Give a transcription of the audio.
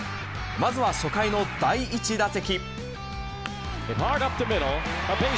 まずは初回の第１打席。